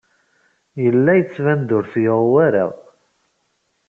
Yella yettban-d ur t-yuɣ wara.